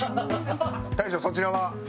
大将そちらは？